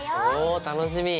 おお楽しみ！